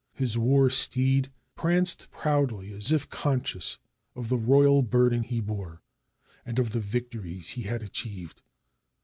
His war steed pranced proudly as if conscious of the royal burden he bore, and of the victories he had achieved.